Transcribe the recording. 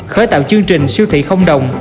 khởi tạo chương trình siêu thị không đồng